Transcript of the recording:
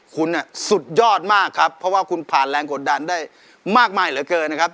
คุณสุดยอดมากครับเพราะว่าคุณผ่านแรงกดดันได้มากมายเหลือเกินนะครับ